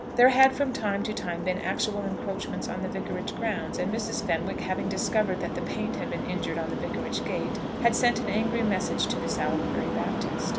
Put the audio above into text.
There had from time to time been actual encroachments on the Vicarage grounds, and Mrs. Fenwick, having discovered that the paint had been injured on the Vicarage gate, had sent an angry message to the Salisbury Baptist.